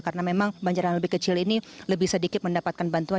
karena memang banjar yang lebih kecil ini lebih sedikit mendapatkan bantuan